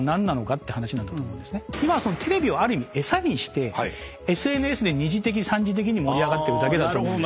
今はテレビを餌にしてＳＮＳで二次的三次的に盛り上がってるだけだと思うんです。